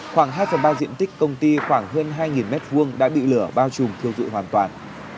khoảng hai phần ba diện tích công ty khoảng hơn hai m hai đã bị lửa bao trùm thiêu dụi hoàn toàn